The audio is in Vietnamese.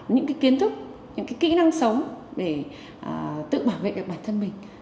những kiến thức những kỹ năng sống để tự bảo vệ được bản thân mình